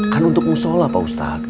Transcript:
kan untuk musola pak ustadz